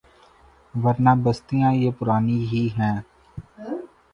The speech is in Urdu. ورنہ بستیاں یہ پرانی ہی ہیں۔